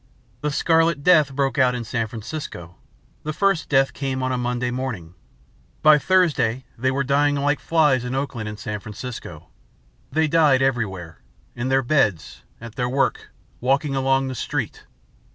"The Scarlet Death broke out in San Francisco. The first death came on a Monday morning. By Thursday they were dying like flies in Oakland and San Francisco. They died everywhere in their beds, at their work, walking along the street.